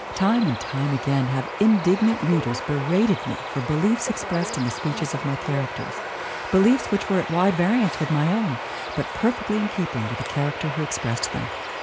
Time and time again have indignant readers berated me for beliefs expressed in the speeches of my characters beliefs which were at wide variance with my own, but perfectly in keeping with the character who expressed them.